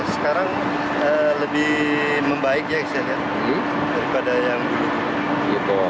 sekarang lebih membaik ya isinya daripada yang dulu